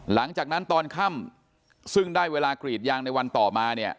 หลังจากนั้นตอนค่ำซึ่งได้เวลากรีดยางในวันต่อมาเนี่ย